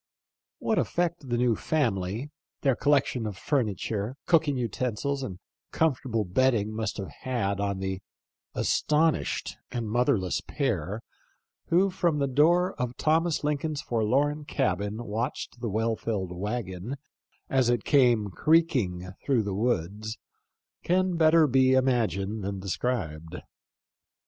What effect the new family, their collection of furniture, cooking uten sils, and comfortable bedding must have had on the astonished and motherless pair who from the door of Thomas Lincoln's forlorn cabin watched the well filled wagon as it came creaking through the woods can better be imagined, than described.